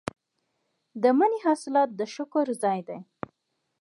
د مني حاصلات د شکر ځای دی.